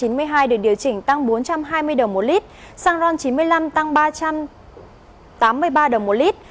xăng ron chín mươi năm được điều chỉnh tăng bốn trăm hai mươi đồng một lít xăng ron chín mươi năm tăng ba trăm tám mươi ba đồng một lít